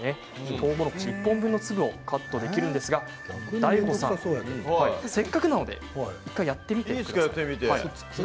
とうもろこし１本分の粒をカットできるんですがＤＡＩＧＯさん、せっかくなので１回やってみてください。